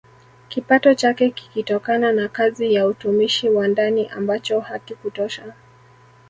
Kipato chake kikitokana na kazi ya utumishi wa ndani ambacho hakikutosha